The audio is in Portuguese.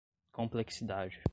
complexidade